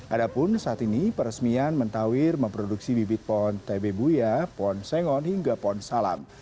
adapun saat ini peresmian mentawir memproduksi bibit pohon tebe buya pohon sengon hingga pohon salam